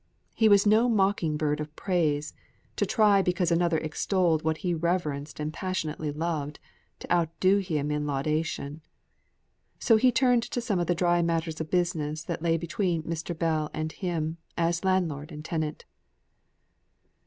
He was no mocking bird of praise to try, because another extolled what he reverenced and passionately loved, to outdo him in laudation. So he turned to some of the dry matters of business that lay between Mr. Bell and him, as landlord and tenant.